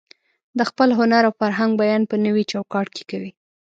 د خپل هنر او فرهنګ بیان په نوي چوکاټ کې کوي.